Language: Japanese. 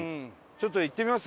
ちょっと行ってみます？